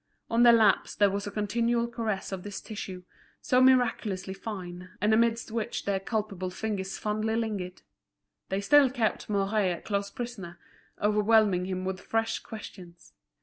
On their laps there was a continual caress of this tissue, so miraculously fine, and amidst which their culpable fingers fondly lingered. They still kept Mouret a close prisoner, overwhelming him with fresh questions.